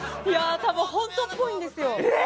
本当っぽいんですよ。